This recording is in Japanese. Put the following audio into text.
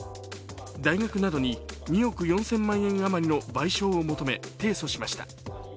大学などに２億４０００万円余りの倍賞を求め提訴しました。